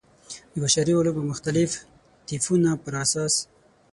د بشري علومو مختلفو طیفونو پر اساس.